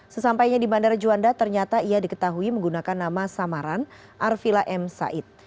sesampainya di bandara juanda ternyata ia diketahui menggunakan nama samaran arvila m said